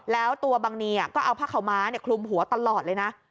แล้วตัวบังนีก็เอาผ้าขาวม้าคลุมหัวตลอดเลยนะ